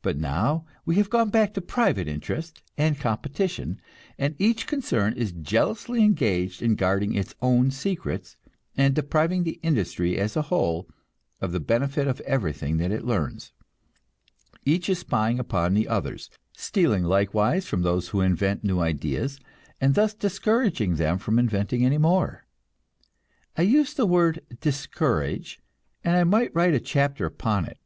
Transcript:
But now we have gone back to private interest and competition, and each concern is jealously engaged in guarding its own secrets, and depriving industry as a whole of the benefit of everything that it learns. Each is spying upon the others, stealing the secrets of the others, stealing likewise from those who invent new ideas and thus discouraging them from inventing any more. I use this word "discourage," and I might write a chapter upon it.